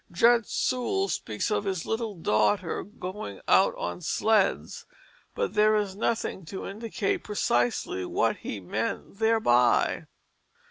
Judge Sewall speaks of his little daughter going out on sleds, but there is nothing to indicate precisely what he meant thereby.